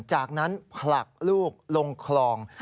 จากนั้นผลักลูกลงคลอง